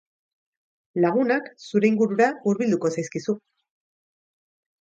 Lagunak zure ingurura hurbilduko zaizkizu.